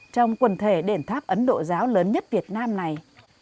trong quần thể đền tháp ấn độ giáo lớn nhất việt nam này